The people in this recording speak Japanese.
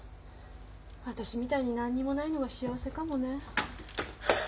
私みたいに何にもないのが幸せかもね。